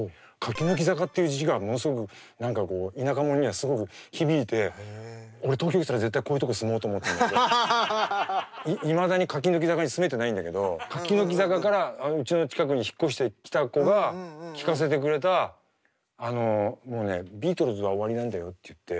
「柿の木坂」っていう字がものすごく何かこう田舎者にはすごく響いて俺東京行ったら絶対こういうとこ住もうと思ったんだけどいまだに柿の木坂に住めてないんだけど柿の木坂からうちの近くに引っ越してきた子が聴かせてくれたあのもうね「ビートルズは終わりなんだよ」って言って。